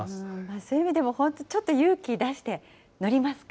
そういう意味でも、本当、ちょっと勇気出して、乗りますか？